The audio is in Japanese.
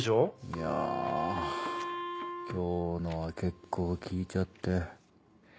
いや今日のは結構効いちゃって。